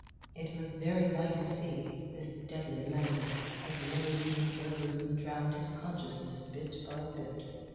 It was very like a sea, this deadly languor, that rose and rose and drowned his consciousness bit by bit.